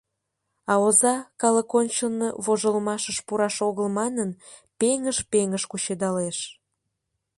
А оза, калык ончылно вожылмашыш пураш огыл манын, пеҥыж-пеҥыж кучедалеш.